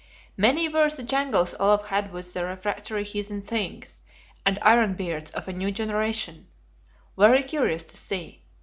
Many were the jangles Olaf had with the refractory Heathen Things and Ironbeards of a new generation: very curious to see.